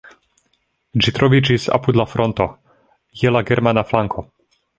Ĝi troviĝis apud la fronto, je la germana flanko.